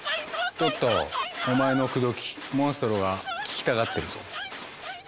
トットお前の「くどき」モンストロが聴きたがってるぞ。